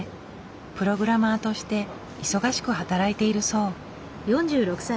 プログラマーとして忙しく働いているそう。